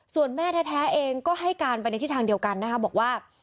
ส่วนแม่แท้เองก็ให้การไปในทิศทางเดียวกันนะคะบอกว่า